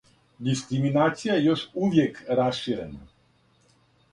Дискриминација је још увијек раширена.